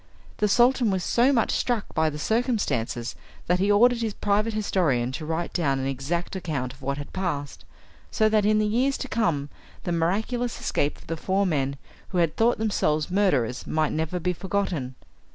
The Sultan was so much struck by the circumstances that he ordered his private historian to write down an exact account of what had passed, so that in the years to come the miraculous escape of the four men who had thought themselves murderers might never be forgotten.